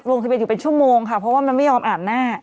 ลงทะเบียนอยู่เป็นชั่วโมงค่ะเพราะว่ามันไม่ยอมอาบหน้า